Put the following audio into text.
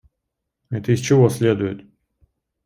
Это из чего следует?